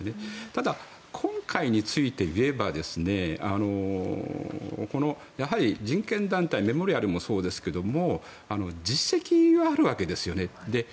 ただ、今回についていえばやはり人権団体メモリアルもそうですが実績があるわけですよね。